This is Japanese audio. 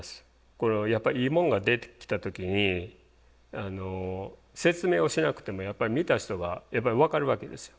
これはやっぱりいいもんができた時に説明をしなくても見た人が分かるわけですよ。